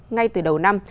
ngay từ đầu năm